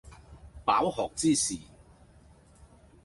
飽學之士